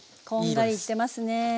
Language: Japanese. こんがりいってますね。